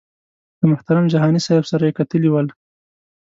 له محترم جهاني صاحب سره یې کتلي ول.